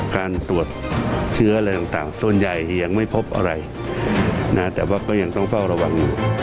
การตรวจเชื้ออะไรต่างส่วนใหญ่ยังไม่พบอะไรนะแต่ว่าก็ยังต้องเฝ้าระวังอยู่